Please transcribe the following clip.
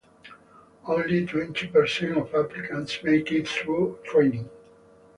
Only twenty percent of applicants make it through training.